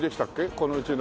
このうちの。